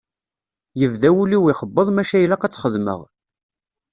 Yebda wul-iw ixebbeḍ maca ilaq ad tt-xedmeɣ.